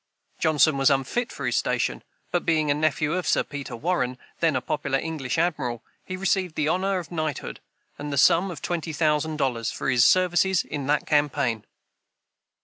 Johnson was unfit for his station, but being a nephew of Sir Peter Warren, then a popular English admiral, he received the honor of knighthood, and the sum of twenty thousand dollars, for his services in that campaign!